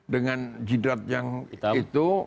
dengan jidrat yang itu